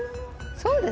そうです。